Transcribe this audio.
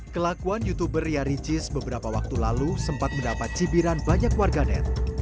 kelakuan youtuber ria ricis beberapa waktu lalu sempat mendapat cibiran banyak warganet